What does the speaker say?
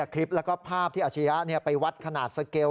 คลิปแล้วก็ภาพที่อาชียะไปวัดขนาดสเกล